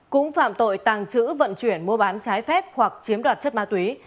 cũng phạm tội tàng trữ vận chuyển mua bán trái phép hoặc chiếm đoạt chất ma túy